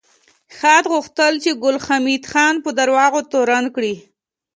خاد غوښتل چې ګل حمید خان په دروغو تورن کړي